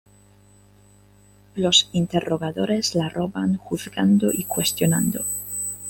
Los Interrogadores la roban juzgando y cuestionando.